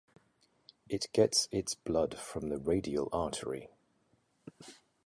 It gets its blood from the radial artery.